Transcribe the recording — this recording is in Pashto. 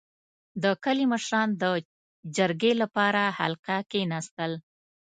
• د کلي مشران د جرګې لپاره حلقه کښېناستل.